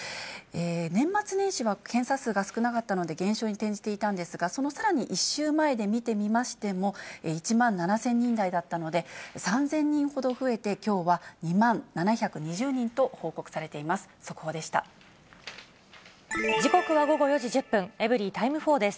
年末年始の検査数が少なかったので減少に転じていたんですが、そのさらに１週前で見てみましても、１万７０００人台だったので、３０００人ほど増えて、きょうは２万７２０人と報告されています。